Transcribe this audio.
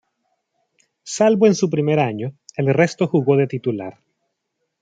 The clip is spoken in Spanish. Salvo en su primer año, el resto jugó de titular.